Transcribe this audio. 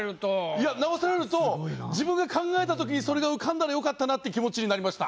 いや直されると自分が考えた時にそれが浮かんだら良かったなって気持ちになりました。